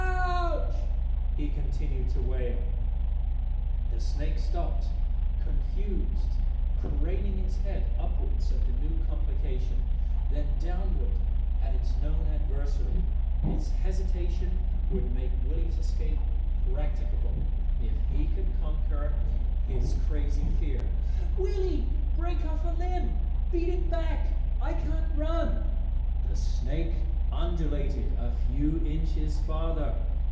"Ow w w ch!" he continued to wail. The snake stopped, confused, craning its head upward at the new complication, then downward at its known adversary. Its hesitation would make Willie's escape practicable, if he could conquer his crazy fear. "Willie, break off a limb beat it back! I can run!" The snake undulated a few inches farther.